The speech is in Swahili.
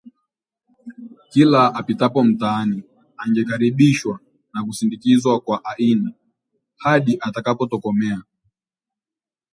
Kila apitapo mtaani, angekaribishwa na kusindikizwa kwa aini hadi atakapotokomea